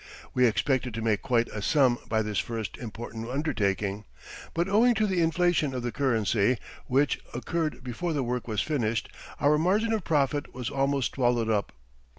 We expected to make quite a sum by this first important undertaking, but owing to the inflation of the currency, which occurred before the work was finished, our margin of profit was almost swallowed up.